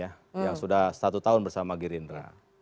yang sudah satu tahun bersama girindra